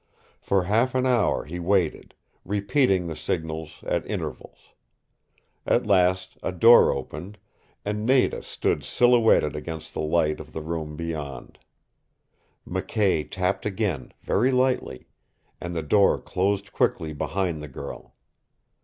For half an hour he waited, repeating the signals at intervals. At last a door opened, and Nada stood silhouetted against the light of the room beyond. McKay tapped again, very lightly, and the door closed quickly behind the girl.